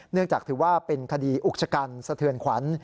เนื่องจากถือว่าเป็นคดีอุกชกันสเทือนขวัญ